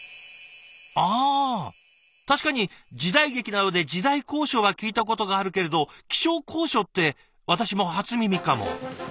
あ確かに時代劇などで「時代考証」は聞いたことがあるけれど「気象考証」って私も初耳かも。